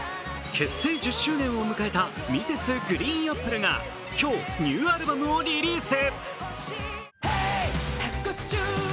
結成１０周年を迎えたＭｒｓ．ＧＲＥＥＮＡＰＰＬＥが今日、ニューアルバムをリリース。